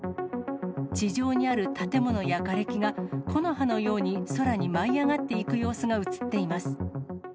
地上にある建物やがれきが、木の葉のように空に舞い上がっていく様子が写っています。